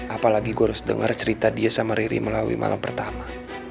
apalagi gue harus dengar cerita dia sama riri melalui malam pertama